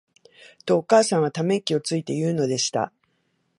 と、お母さんは溜息をついて言うのでした。